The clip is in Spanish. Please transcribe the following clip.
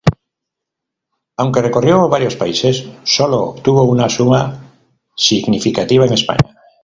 Aunque recorrió varios países, sólo obtuvo una suma significativa en España.